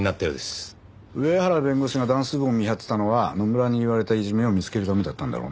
上原弁護士がダンス部を見張ってたのは野村に言われたいじめを見つけるためだったんだろうな。